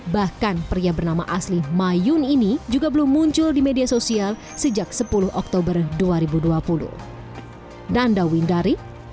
bahkan pria bernama asli mayun ini juga belum muncul di media sosial sejak sepuluh oktober dua ribu dua puluh